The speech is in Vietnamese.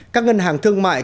các ngân hàng thương mại